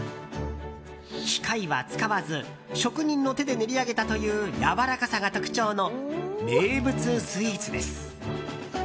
機械は使わず職人の手で練り上げたというやわらかさが特徴の名物スイーツです。